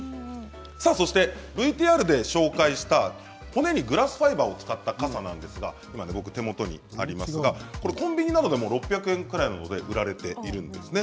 そしてＶＴＲで紹介した骨にグラスファイバーを使った傘なんですが、手元にありますがコンビニなどでも６００円くらいで売られているんですね。